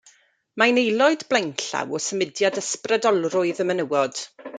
Mae'n aelod blaenllaw o symudiad ysbrydolrwydd y menywod.